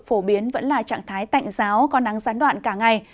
phổ biến vẫn là trạng thái tạnh giáo có nắng gián đoạn cả ngày